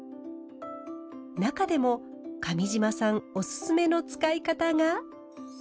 中でも上島さんオススメの使い方が。